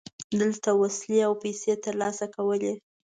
دلته وسلې او پیسې ترلاسه کولې.